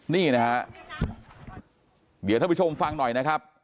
นี่นะฮะเดี๋ยวท่านผู้ชมฟังหน่อยนะครับ